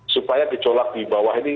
supaya gejolak di bawah ini